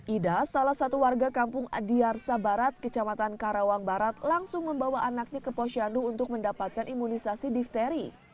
ida salah satu warga kampung adiarsa barat kecamatan karawang barat langsung membawa anaknya ke posyandu untuk mendapatkan imunisasi difteri